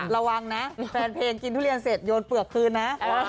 ระวังนะแฟนเพลงกินทุเรียนเสร็จโยนเปลือกคืนนะ